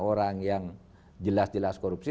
orang yang jelas jelas korupsi